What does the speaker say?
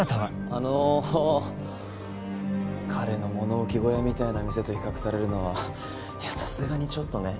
あの彼の物置小屋みたいな店と比較されるのはさすがにちょっとね。